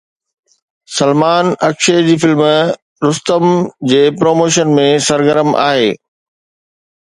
سلمان اڪشي جي فلم رستم جي پروموشن ۾ سرگرم آهي